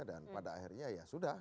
dan pada akhirnya ya sudah